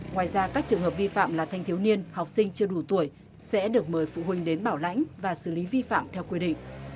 ngoài ra các trường hợp vi phạm là thanh thiếu niên học sinh chưa đủ tuổi sẽ được mời phụ huynh đến bảo lãnh và xử lý vi phạm theo quy định